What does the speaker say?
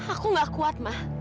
aku gak kuat mah